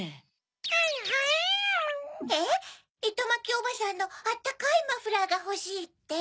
おばさんのあったかいマフラーがほしい」って？